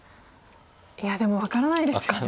いやでも分からないですよね。